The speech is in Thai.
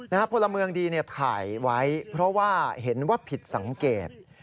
พลเมืองดีเนี่ยถ่ายไว้เพราะว่าเห็นว่าผิดสังเกต